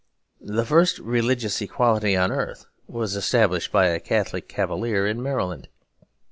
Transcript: The first religious equality on earth was established by a Catholic cavalier in Maryland.